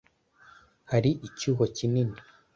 hari icyuho kinini